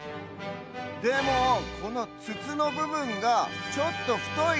でもこのつつのぶぶんがちょっとふとい？